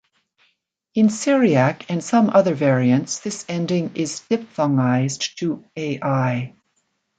In Syriac and some other variants this ending is diphthongized to "-ai".